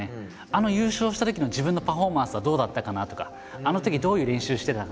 あの優勝したときの自分のパフォーマンスはどうだったかなとかあのときどういう練習してたかなって。